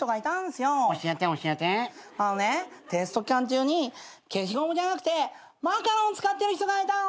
あのねテスト期間中に消しゴムじゃなくてマカロン使ってる人がいたの。